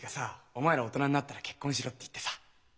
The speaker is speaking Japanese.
「お前ら大人になったら結婚しろ」って言ってさ。